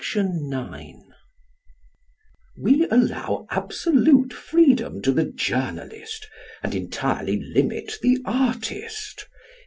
_We allow absolute freedom to the journalist, and entirely limit the artist.